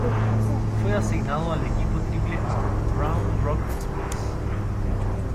Fue asignado al equipo Triple-A Round Rock Express.